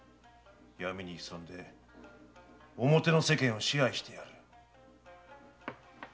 闇に潜んで表の世間を支配してやる。